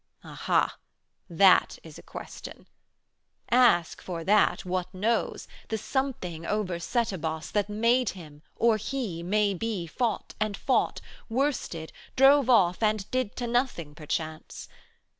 Aha, that is a question! Ask, for that, What knows the something over Setebos That made Him, or He, may be, found and fought, 130 Worsted, drove off and did to nothing, perchance.